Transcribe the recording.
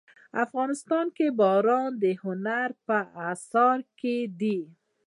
افغانستان کې باران د هنر په اثار کې دي.